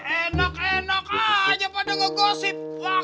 enak enak aja pada ngegosip waktunya kerja nih kerja